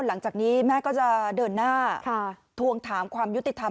หลังจากนี้แม่ก็จะเดินหน้าทวงถามความยุติธรรม